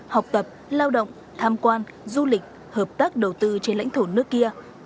học tập lao động tham quan du lịch hợp tác đầu tư trên lãnh thổ nước kia